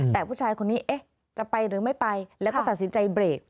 แต่ผู้ชายคนนี้เอ๊ะจะไปหรือไม่ไปแล้วก็ตัดสินใจเบรก